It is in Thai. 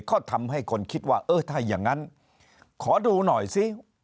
ก็ทำให้คนคิดว่าเออถ้าอย่างนั้นขอดูหน่อยซิ